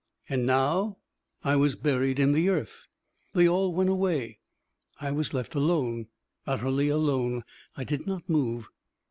And now I was buried in the earth. They all went away, I was left alone, utterly alone. I did not move.